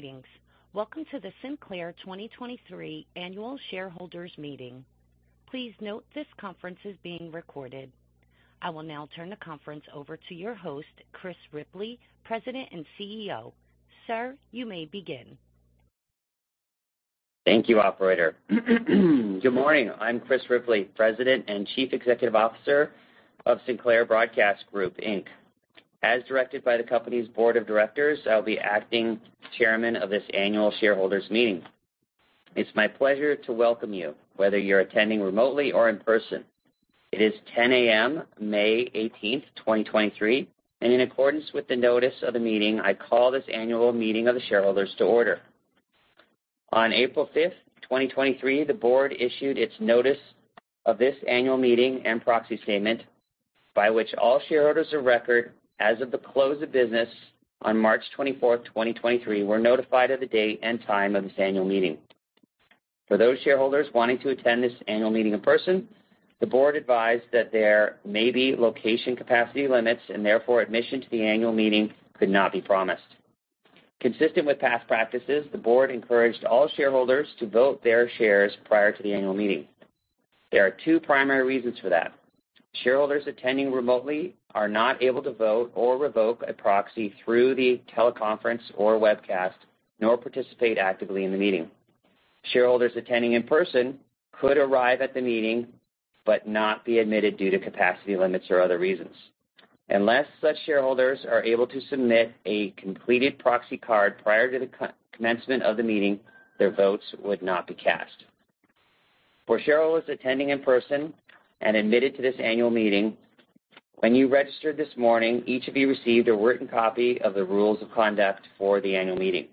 Greetings. Welcome to the Sinclair 2023 annual shareholders meeting. Please note this conference is being recorded. I will now turn the conference over to your host, Chris Ripley, President and CEO. Sir, you may begin. Thank you, operator. Good morning. I'm Chris Ripley, President and Chief Executive Officer of Sinclair Broadcast Group Inc. As directed by the company's board of directors, I'll be acting chairman of this annual shareholders meeting. It's my pleasure to welcome you, whether you're attending remotely or in person. It is 10:00 A.M., May 18th, 2023. In accordance with the notice of the meeting, I call this annual meeting of the shareholders to order. On April 5th, 2023, the board issued its notice of this annual meeting and proxy statement, by which all shareholders of record as of the close of business on March 24th, 2023, were notified of the date and time of this annual meeting. For those shareholders wanting to attend this annual meeting in person, the board advised that there may be location capacity limits and therefore admission to the annual meeting could not be promised. Consistent with past practices, the board encouraged all shareholders to vote their shares prior to the annual meeting. There are two primary reasons for that. Shareholders attending remotely are not able to vote or revoke a proxy through the teleconference or webcast, nor participate actively in the meeting. Shareholders attending in person could arrive at the meeting but not be admitted due to capacity limits or other reasons. Unless such shareholders are able to submit a completed proxy card prior to the co-commencement of the meeting, their votes would not be cast. For shareholders attending in person and admitted to this annual meeting, when you registered this morning, each of you received a written copy of the rules of conduct for the annual meeting.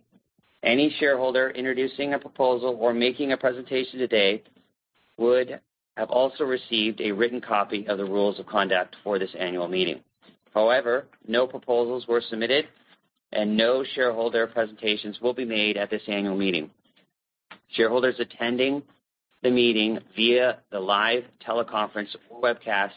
Any shareholder introducing a proposal or making a presentation today would have also received a written copy of the rules of conduct for this annual meeting. However, no proposals were submitted and no shareholder presentations will be made at this annual meeting. Shareholders attending the meeting via the live teleconference or webcast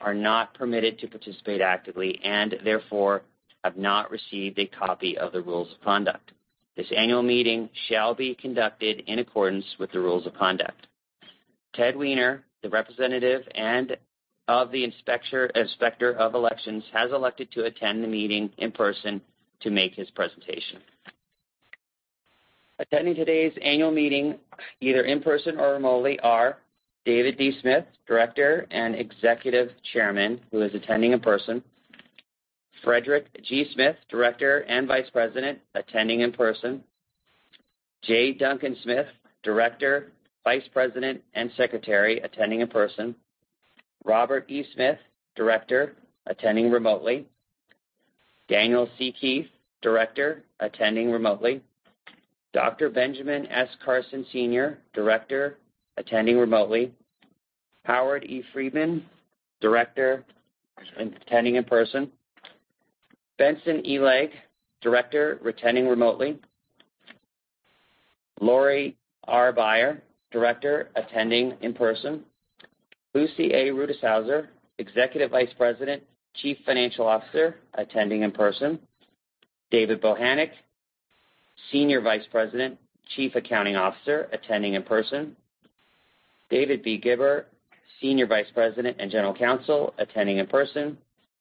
are not permitted to participate actively and therefore have not received a copy of the rules of conduct. This annual meeting shall be conducted in accordance with the rules of conduct. Ted Wiener, the representative and of the Inspector of Elections, has elected to attend the meeting in person to make his presentation. Attending today's annual meeting, either in person or remotely, are David D. Smith, Director and Executive Chairman, who is attending in person. Frederick G. Smith, Director and Vice President, attending in person. J. Duncan Smith, Director, Vice President, and Secretary, attending in person. Robert E. Smith, Director, attending remotely. Daniel C. Keith, Director, attending remotely. Dr. Benjamin S. Carson, Sr., Director, attending remotely. Howard E. Friedman, Director, attending in person. Benson E. Legg, Director, attending remotely. Laurie R. Beyer, Director, attending in person. Lucy A. Rutishauser, Executive Vice President, Chief Financial Officer, attending in person. David Bochenek, Senior Vice President, Chief Accounting Officer, attending in person. David B. Gibber, Senior Vice President and General Counsel, attending in person.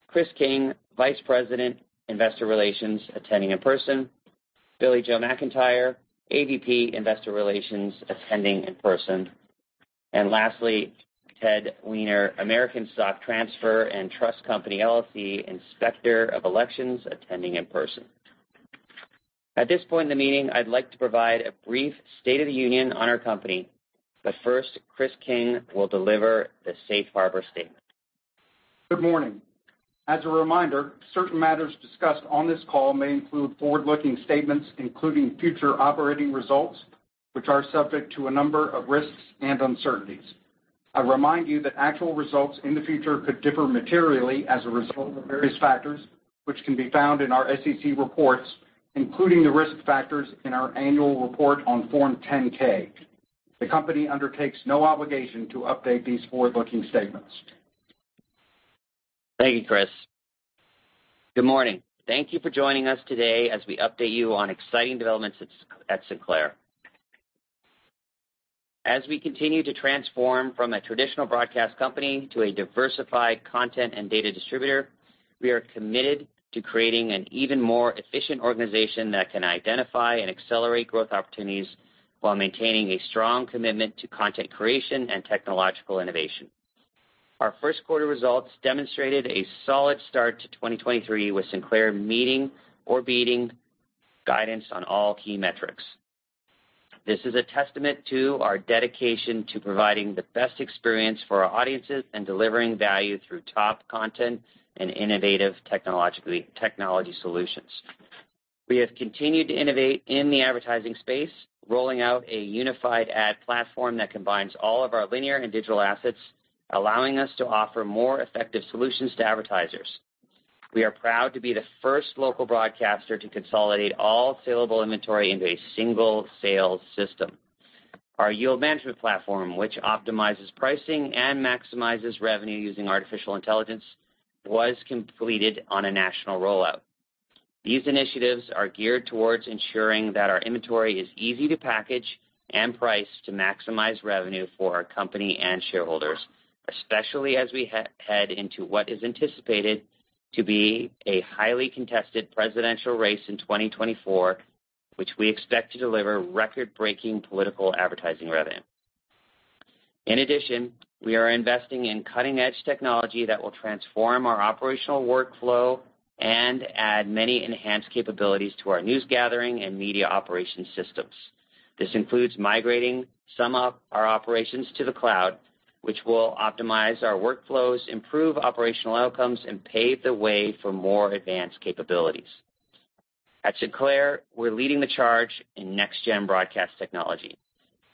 Chris King, Vice President, Investor Relations, attending in person. Billie-Jo McIntire, AVP, Investor Relations, attending in person. lastly, Ted Wiener, American Stock Transfer & Trust Company, LLC, Inspector of Elections, attending in person. At this point in the meeting, I'd like to provide a brief state of the union on our company, but first, Chris King will deliver the safe harbor statement. Good morning. As a reminder, certain matters discussed on this call may include forward-looking statements, including future operating results, which are subject to a number of risks and uncertainties. I remind you that actual results in the future could differ materially as a result of various factors, which can be found in our SEC reports, including the risk factors in our annual report on form 10-K. The company undertakes no obligation to update these forward-looking statements. Thank you, Chris. Good morning. Thank you for joining us today as we update you on exciting developments at Sinclair. As we continue to transform from a traditional broadcast company to a diversified content and data distributor, we are committed to creating an even more efficient organization that can identify and accelerate growth opportunities while maintaining a strong commitment to content creation and technological innovation. Our first quarter results demonstrated a solid start to 2023, with Sinclair meeting or beating guidance on all key metrics. This is a testament to our dedication to providing the best experience for our audiences and delivering value through top content and innovative technology solutions. We have continued to innovate in the advertising space, rolling out a unified ad platform that combines all of our linear and digital assets, allowing us to offer more effective solutions to advertisers. We are proud to be the first local broadcaster to consolidate all saleable inventory into a single sales system. Our yield management platform, which optimizes pricing and maximizes revenue using artificial intelligence, was completed on a national rollout. These initiatives are geared towards ensuring that our inventory is easy to package and price to maximize revenue for our company and shareholders, especially as we head into what is anticipated to be a highly contested presidential race in 2024, which we expect to deliver record-breaking political advertising revenue. We are investing in cutting-edge technology that will transform our operational workflow and add many enhanced capabilities to our newsgathering and media operations systems. This includes migrating some of our operations to the cloud, which will optimize our workflows, improve operational outcomes, and pave the way for more advanced capabilities. At Sinclair, we're leading the charge in NextGen Broadcast technology,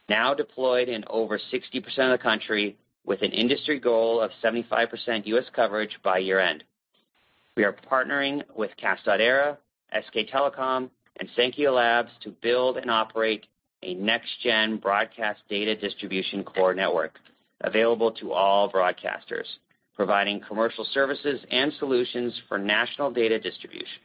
now deployed in over 60% of the country with an industry goal of 75% US coverage by year-end. We are partnering with CAST.ERA, SK Telecom, and Saankhya Labs to build and operate a NextGen Broadcast data distribution core network available to all broadcasters, providing commercial services and solutions for national data distribution.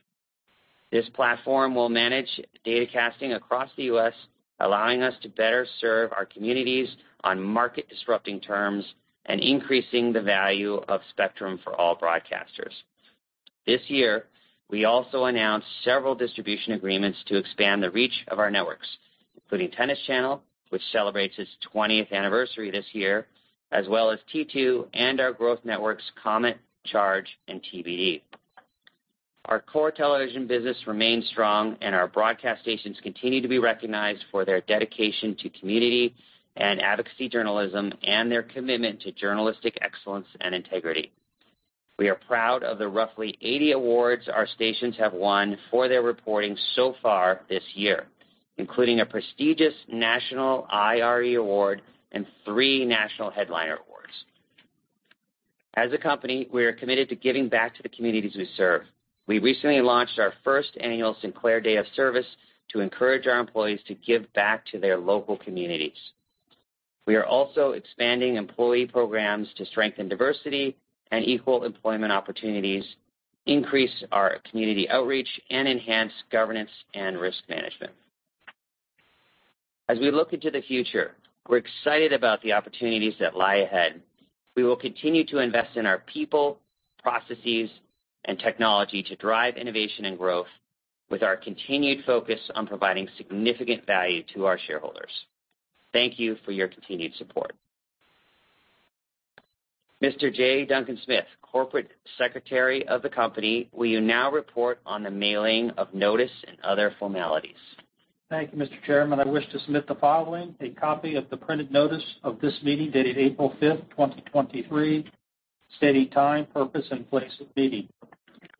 This platform will manage data casting across the US, allowing us to better serve our communities on market-disrupting terms and increasing the value of spectrum for all broadcasters. This year, we also announced several distribution agreements to expand the reach of our networks, including Tennis Channel, which celebrates its 20th anniversary this year, as well as T2 and our growth networks Comet, CHARGE!, and TBD. Our core television business remains strong, and our broadcast stations continue to be recognized for their dedication to community and advocacy journalism and their commitment to journalistic excellence and integrity. We are proud of the roughly 80 awards our stations have won for their reporting so far this year, including a prestigious National IRE Award and three National Headliner Awards. As a company, we are committed to giving back to the communities we serve. We recently launched our first annual Sinclair Day of Service to encourage our employees to give back to their local communities. We are also expanding employee programs to strengthen diversity and equal employment opportunities, increase our community outreach, and enhance governance and risk management. As we look into the future, we're excited about the opportunities that lie ahead. We will continue to invest in our people, processes, and technology to drive innovation and growth with our continued focus on providing significant value to our shareholders. Thank you for your continued support. Mr. J. Duncan Smith, corporate secretary of the company, will you now report on the mailing of notice and other formalities? Thank you, Mr. Chairman. I wish to submit the following a copy of the printed notice of this meeting dated April 5th, 2023, stating time, purpose, and place of meeting.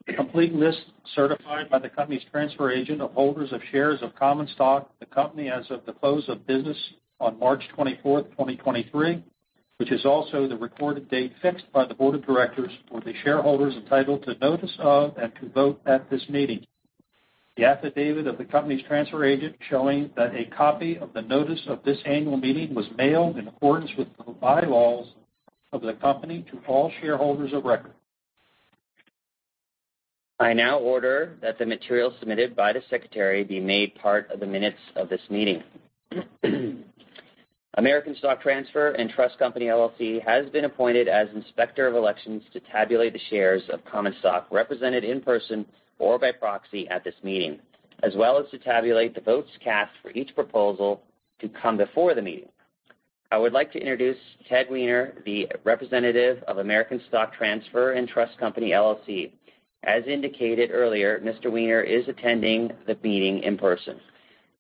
A complete list certified by the company's transfer agent of holders of shares of common stock of the company as of the close of business on March 24th, 2023, which is also the recorded date fixed by the board of directors for the shareholders entitled to notice of and to vote at this meeting. The affidavit of the company's transfer agent showing that a copy of the notice of this annual meeting was mailed in accordance with the bylaws of the company to all shareholders of record. I now order that the material submitted by the secretary be made part of the minutes of this meeting. American Stock Transfer & Trust Company, LLC has been appointed as inspector of elections to tabulate the shares of common stock represented in person or by proxy at this meeting, as well as to tabulate the votes cast for each proposal to come before the meeting. I would like to introduce Ted Wiener, the representative of American Stock Transfer & Trust Company, LLC. As indicated earlier, Mr. Wiener is attending the meeting in person.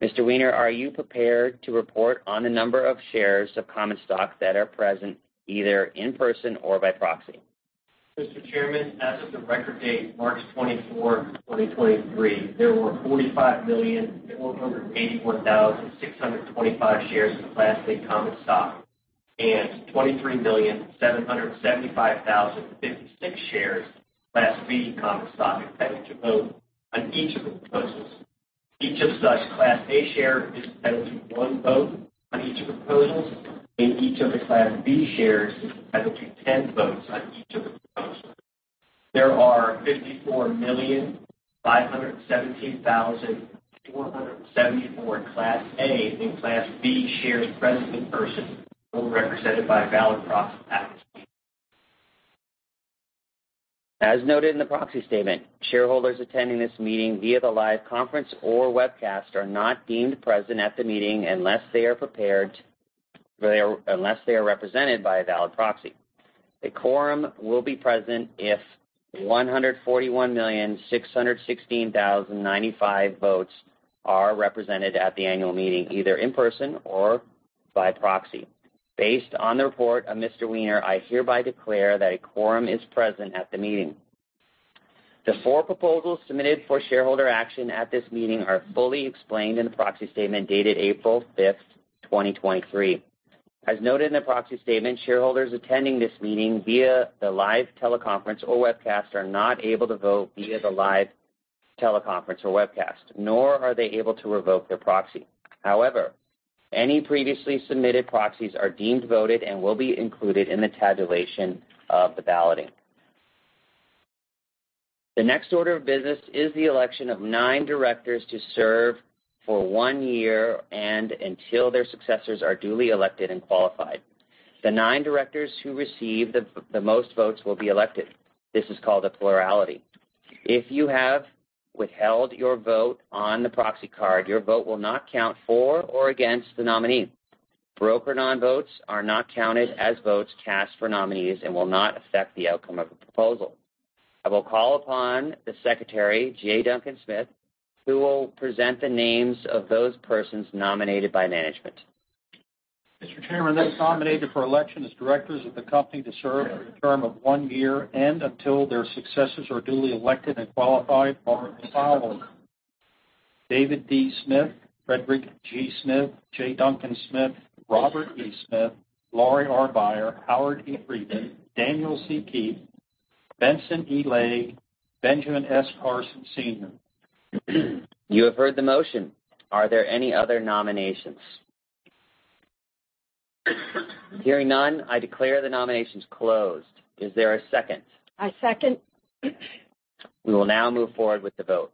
Mr. Wiener, are you prepared to report on the number of shares of common stock that are present either in person or by proxy? Mr. Chairman, as of the record date, March 24, 2023, there were 45,481,625 shares of Class A common stock and 23,775,056 shares Class B common stock entitled to vote on each of the proposals. Each of such Class A share is entitled to one vote on each of the proposals, and each of the Class B shares is entitled to 10 votes on each of the proposals. There are 54,517,474 Class A and Class B shares present in person or represented by a valid proxy ballot. As noted in the proxy statement, shareholders attending this meeting via the live conference or webcast are not deemed present at the meeting unless they are represented by a valid proxy. A quorum will be present if 141,616,095 votes are represented at the annual meeting, either in person or by proxy. Based on the report of Mr. Wiener, I hereby declare that a quorum is present at the meeting. The four proposals submitted for shareholder action at this meeting are fully explained in the proxy statement dated April 5th, 2023. As noted in the proxy statement, shareholders attending this meeting via the live teleconference or webcast are not able to vote via the live teleconference or webcast, nor are they able to revoke their proxy. Any previously submitted proxies are deemed voted and will be included in the tabulation of the balloting. The next order of business is the election of nine directors to serve for one year and until their successors are duly elected and qualified. The nine directors who receive the most votes will be elected. This is called a plurality. If you have withheld your vote on the proxy card, your vote will not count for or against the nominee. Broker non-votes are not counted as votes cast for nominees and will not affect the outcome of the proposal. I will call upon the Secretary, J. Duncan Smith, who will present the names of those persons nominated by management. Mr. Chairman, those nominated for election as directors of the company to serve for the term of one year and until their successors are duly elected and qualified are as follows: David D. Smith, Frederick G. Smith, J. Duncan Smith, Robert E. Smith, Laurie R. Beyer, Howard E. Friedman, Daniel C. Keith, Benson E. Legg, Benjamin S. Carson Sr. You have heard the motion. Are there any other nominations? Hearing none, I declare the nominations closed. Is there a second? I second. We will now move forward with the vote.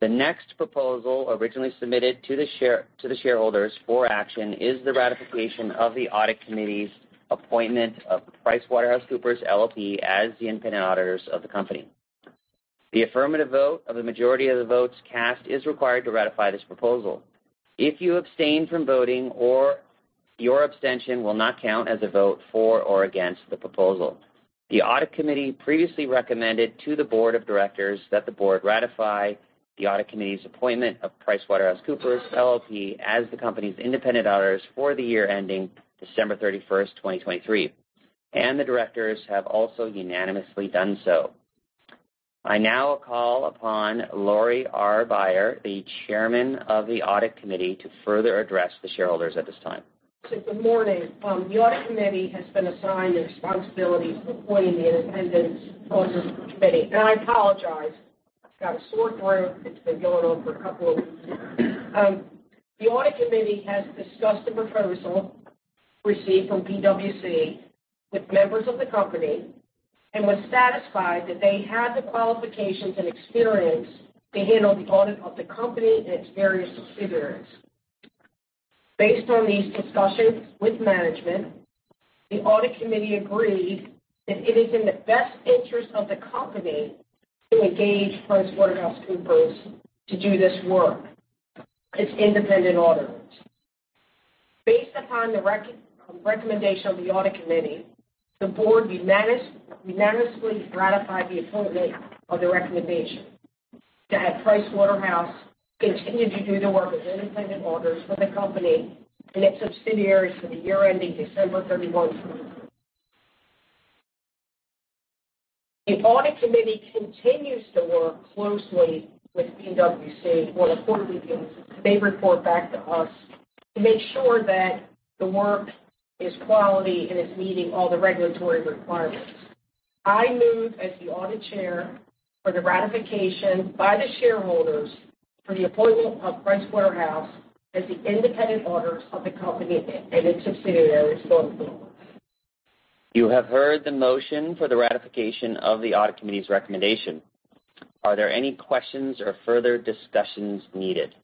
The next proposal, originally submitted to the shareholders for action, is the ratification of the Audit Committee's appointment of PricewaterhouseCoopers LLP as the independent auditors of the company. The affirmative vote of a majority of the votes cast is required to ratify this proposal. If you abstain from voting or your abstention will not count as a vote for or against the proposal. The Audit Committee previously recommended to the Board of Directors that the Board ratify the Audit Committee's appointment of PricewaterhouseCoopers LLP as the company's independent auditors for the year ending December 31st, 2023. The directors have also unanimously done so. I now call upon Laurie R. Beyer, the Chairman of the Audit Committee, to further address the shareholders at this time. Good morning. The Audit Committee has been assigned the responsibility for appointing the independent audit committee. I apologize, I've got a sore throat. It's been going on for a couple of weeks. The Audit Committee has discussed the proposal received from PwC with members of the company and was satisfied that they had the qualifications and experience to handle the audit of the company and its various subsidiaries. Based on these discussions with management, the Audit Committee agreed that it is in the best interest of the company to engage PricewaterhouseCoopers to do this work as independent auditors. Based upon the recommendation of the Audit Committee, the Board unanimously ratified the appointment of the recommendation that PricewaterhouseCoopers continue to do the work of independent auditors for the company and its subsidiaries for the year ending December 31st. The Audit Committee continues to work closely with PwC on a quarterly basis. They report back to us to make sure that the work is quality and is meeting all the regulatory requirements. I move as the Audit Chair for the ratification by the shareholders for the appointment of PricewaterhouseCoopers as the independent auditors of the company and its subsidiaries going forward. You have heard the motion for the ratification of the Audit Committee's recommendation. Are there any questions or further discussions needed?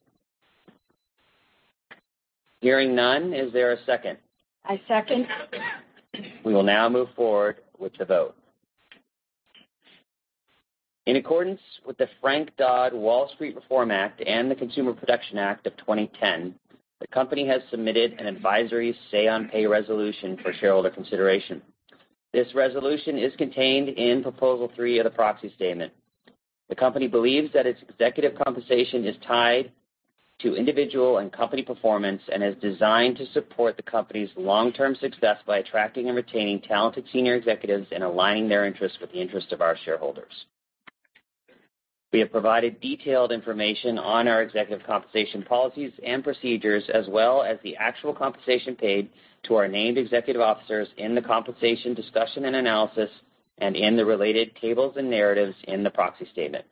Hearing none. Is there a second? I second. We will now move forward with the vote. In accordance with the Dodd-Frank Wall Street Reform and Consumer Protection Act of 2010, the company has submitted an advisory say on pay resolution for shareholder consideration. This resolution is contained in Proposal 3 of the proxy statement. The company believes that its executive compensation is tied to individual and company performance and is designed to support the company's long-term success by attracting and retaining talented senior executives and aligning their interests with the interests of our shareholders. We have provided detailed information on our executive compensation policies and procedures, as well as the actual compensation paid to our named executive officers in the compensation discussion and analysis and in the related tables and narratives in the proxy statement.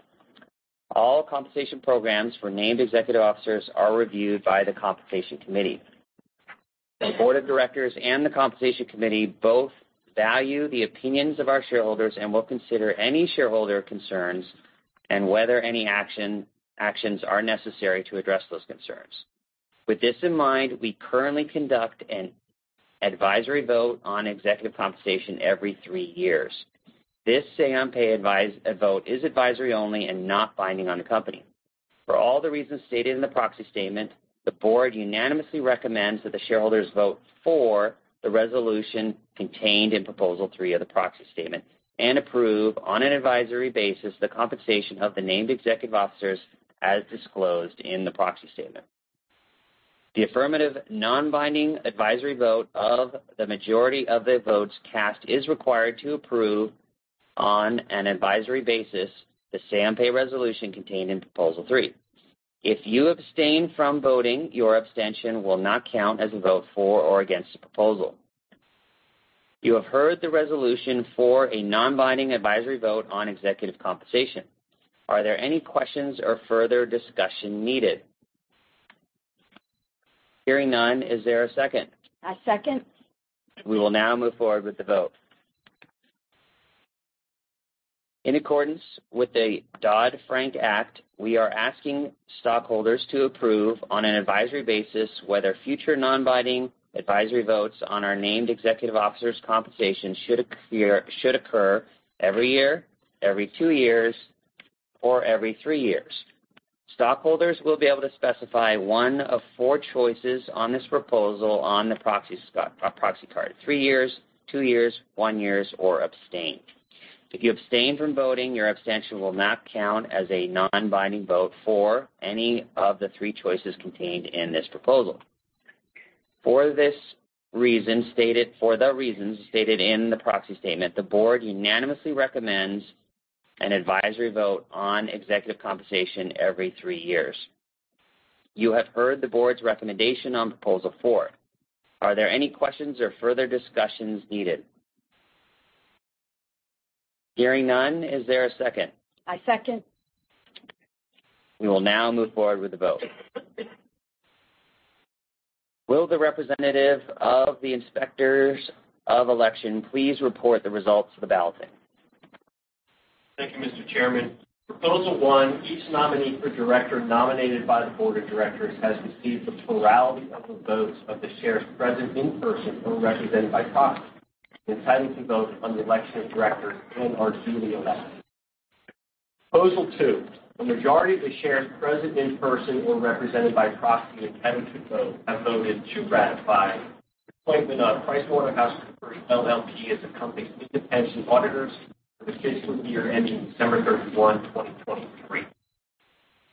All compensation programs for named executive officers are reviewed by the Compensation Committee. The Board of Directors and the Compensation Committee both value the opinions of our shareholders and will consider any shareholder concerns and whether any actions are necessary to address those concerns. With this in mind, we currently conduct an advisory vote on executive compensation every three years. This say on pay advisory vote is advisory only and not binding on the company. For all the reasons stated in the proxy statement, the Board unanimously recommends that the shareholders vote for the resolution contained in Proposal 3 of the proxy statement and approve, on an advisory basis, the compensation of the named executive officers as disclosed in the proxy statement. The affirmative, non-binding advisory vote of the majority of the votes cast is required to approve, on an advisory basis, the say on pay resolution contained in Proposal 3. If you abstain from voting, your abstention will not count as a vote for or against the proposal. You have heard the resolution for a non-binding advisory vote on executive compensation. Are there any questions or further discussion needed? Hearing none. Is there a second? I second. We will now move forward with the vote. In accordance with the Dodd-Frank Act, we are asking stockholders to approve on an advisory basis whether future non-binding advisory votes on our named executive officers compensation should occur every year, every two years, or every three years. Stockholders will be able to specify one of four choices on this proposal on the proxy card. Three years, two years, one year, or abstain. If you abstain from voting, your abstention will not count as a non-binding vote for any of the three choices contained in this proposal. For the reasons stated in the proxy statement, the board unanimously recommends an advisory vote on executive compensation every three years. You have heard the board's recommendation on Proposal 4. Are there any questions or further discussions needed? Hearing none. Is there a second? I second. We will now move forward with the vote. Will the representative of the inspectors of election please report the results of the balloting? Thank you, Mr. Chairman. Proposal 1, each nominee for director nominated by the board of directors has received the plurality of the votes of the shares present in person or represented by proxy, entitled to vote on the election of directors and are duly elected. Proposal 2, a majority of the shares present in person or represented by proxy entitled to vote have voted to ratify the appointment of PricewaterhouseCoopers LLP, as the company's independent auditors for the fiscal year ending December 31, 2023.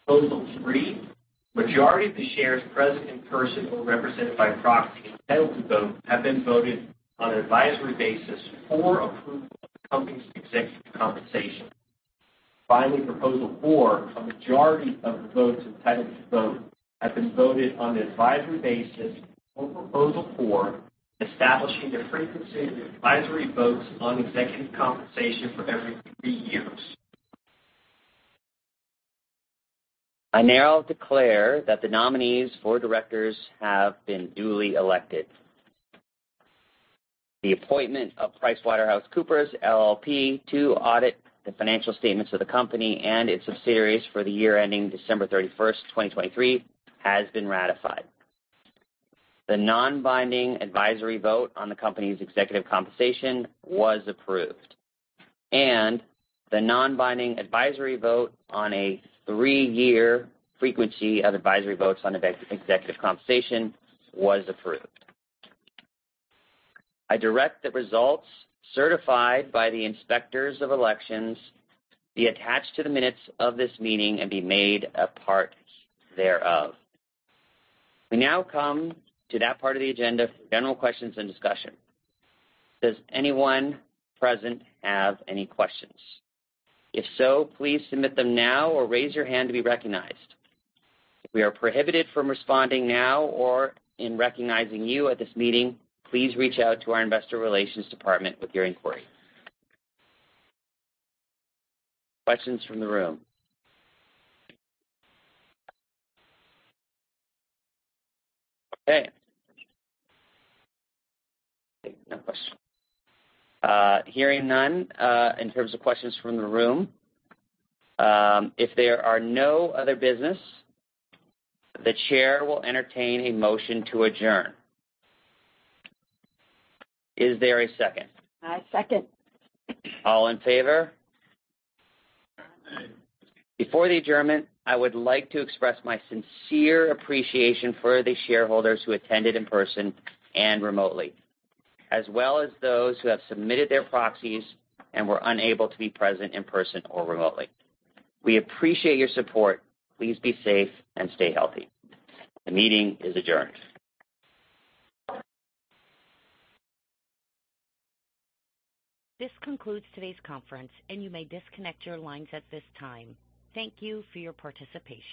Proposal 3, majority of the shares present in person or represented by proxy entitled to vote have been voted on an advisory basis for approval of the company's executive compensation. Finally, Proposal 4, a majority of the votes entitled to vote have been voted on an advisory basis for Proposal 4, establishing the frequency of advisory votes on executive compensation for every three years. I now declare that the nominees for directors have been duly elected. The appointment of PricewaterhouseCoopers LLP, to audit the financial statements of the company and its subsidiaries for the year ending December 31st, 2023, has been ratified. The non-binding advisory vote on the company's executive compensation was approved, and the non-binding advisory vote on a three-year frequency of advisory votes on executive compensation was approved. I direct the results certified by the inspectors of elections be attached to the minutes of this meeting and be made a part thereof. We now come to that part of the agenda for general questions and discussion. Does anyone present have any questions? If so, please submit them now or raise your hand to be recognized. If we are prohibited from responding now or in recognizing you at this meeting, please reach out to our investor relations department with your inquiry. Questions from the room. Okay. No questions. Hearing none, in terms of questions from the room, if there are no other business, the chair will entertain a motion to adjourn. Is there a second? I second. All in favor? Aye. Before the adjournment, I would like to express my sincere appreciation for the shareholders who attended in person and remotely, as well as those who have submitted their proxies and were unable to be present in person or remotely. We appreciate your support. Please be safe and stay healthy. The meeting is adjourned. This concludes today's conference, and you may disconnect your lines at this time. Thank you for your participation.